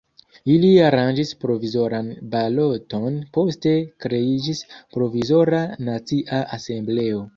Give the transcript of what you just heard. Ili aranĝis provizoran baloton, poste kreiĝis Provizora Nacia Asembleo.